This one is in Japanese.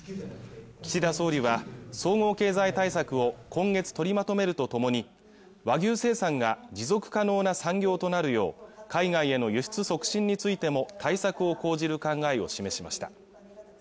岸田総理は総合経済対策を今月取りまとめるとともに和牛生産が持続可能な産業となるよう海外への輸出促進についても対策を講じる考えを示しました